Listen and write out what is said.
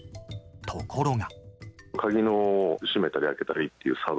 ところが。